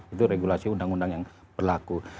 itu regulasi undang undang yang berlaku